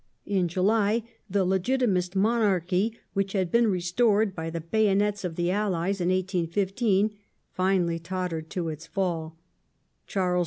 In July «/ the legitimist Monarchy, which had been restored by the bayonets of the allies in 1815, finally tottered to its fall ; Charles X.